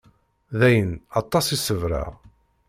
Dayen, aṭas i ṣebreɣ.